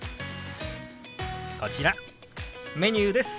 こちらメニューです。